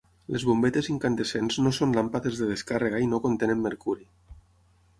Les bombetes incandescents no són làmpades de descàrrega i no contenen mercuri.